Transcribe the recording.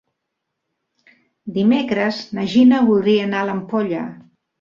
Dimecres na Gina voldria anar a l'Ampolla.